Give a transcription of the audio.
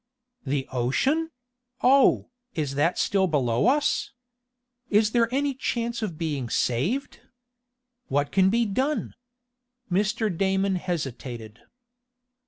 "The ocean! Oh, is that still below us? Is there any chance of being saved? What can be done?" Mr. Damon hesitated.